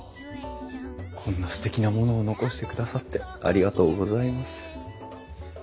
こんなすてきなものを残してくださってありがとうございます。